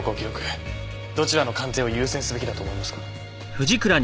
どちらの鑑定を優先すべきだと思いますか？